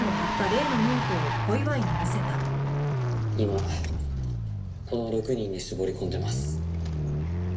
今この６人に絞り込んでます。